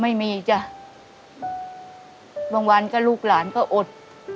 ไม่มีจ้ะบางวันก็ลูกหลานก็อด